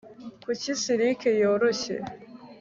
kuki silike yoroshye